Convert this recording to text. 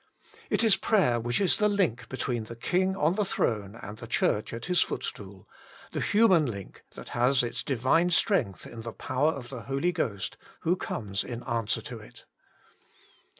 It is prayer which is the link between the King on the throne and the Church at His footstool the human link that has its divine strength in the power of the Holy Ghost, who comes in answer to it.